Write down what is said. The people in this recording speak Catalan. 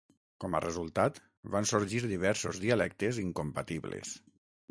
Com a resultat, van sorgir diversos dialectes incompatibles.